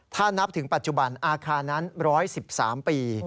ถ้านับถึงปัจจุบันอาคารนั้น๑๑๓ปี